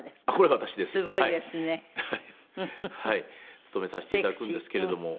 勤めさせて頂くんですけれども。